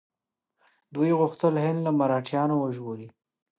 دوی غوښتل هند له مرهټیانو وژغوري.